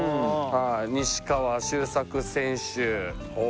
西川周作選手